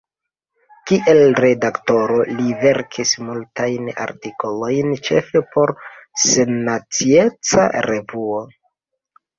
Kiel redaktoro li verkis multajn artikolojn ĉefe por “Sennacieca Revuo”.